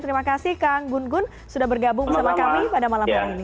terima kasih kang gun gun sudah bergabung bersama kami pada malam hari ini